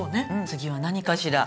次は何かしら？